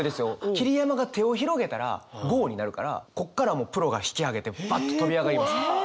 桐山が手を広げたらゴーになるからここからもうプロが引き上げてバッと飛び上がりました。